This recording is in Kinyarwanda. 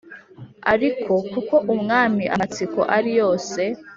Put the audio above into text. ariko kuko umwami amatsiko ariyose